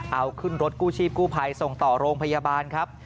เอาขึ้นรถกู้ชีพกู้ภัยส่งต่อโรงพยาบาลครับ